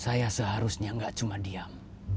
saya seharusnya gak cuma diam